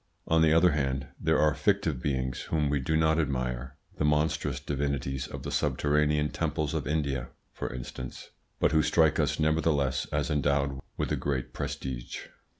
On the other hand, there are fictive beings whom we do not admire the monstrous divinities of the subterranean temples of India, for instance but who strike us nevertheless as endowed with a great prestige.